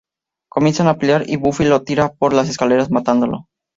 Comienzan a pelear y Buffy lo tira por las escaleras, matándolo.